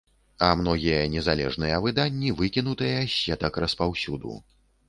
А многія незалежныя выданні выкінутыя з сетак распаўсюду.